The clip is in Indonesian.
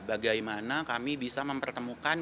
bagaimana kami bisa mempertemukan